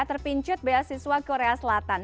terpincut beasiswa korea selatan